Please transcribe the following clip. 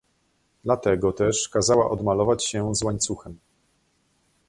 "Dlatego też kazała odmalować się z łańcuchem."